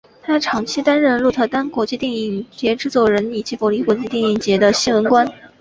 他长期担任鹿特丹国际电影节制作人以及柏林国际电影节的新闻官。